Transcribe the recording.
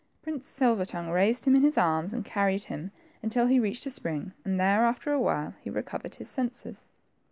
Prince Silver tongue raised him in his arms and carried him until he reached a spring, and there, after a while, he recovered his senses.